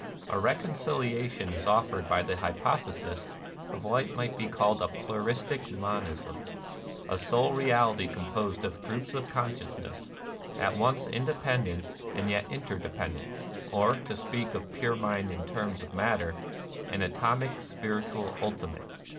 A reconciliation is offered by the hypothesis of what might be called a pluristic monism, — a sole reality composed of groups of conscious ness, at once independent and yet interde pendent, — or, to speak of pure mind in terms of matter, an atomic spiritual ultimate.